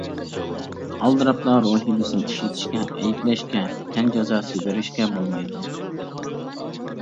ئالدىراپلا روھى بېسىم ئىشلىتىشكە، ئەيىبلەشكە، تەن جازاسى بېرىشكە بولمايدۇ.